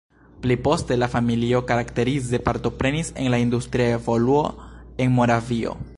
Pli poste la familio karakterize partoprenis en la industria evoluo en Moravio.